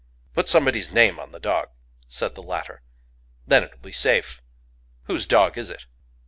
"Put somebody's name on the dog," said the latter: "then it will be safe. Whose dog is it?"